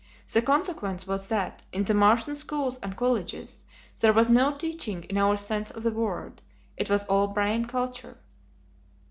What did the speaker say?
The consequence was that in the Martian schools and colleges there was no teaching in our sense of the word. It was all brain culture.